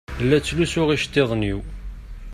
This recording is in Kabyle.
La ttlusuɣ iceṭṭiḍen-iw.